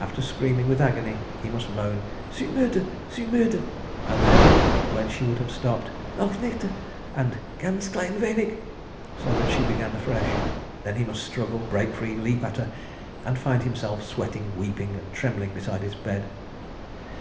After screaming with agony, he must moan "Zu müde! Zu müde!" and then—when she would have stopped—"Noch nichte!" and "Ganz klein wenig!" so that she began afresh. Then he must struggle, break free, leap at her—and find himself sweating, weeping and trembling beside his bed.